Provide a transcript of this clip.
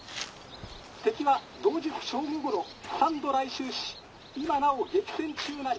敵は同日正午ごろ３度来襲し今なお激戦中なり」。